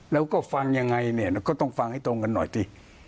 แล้วก็ฟังยังไงเนี่ยก็ต้องฟังให้ตรงกันหน่อยสิ